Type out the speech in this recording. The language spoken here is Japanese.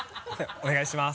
お願いします。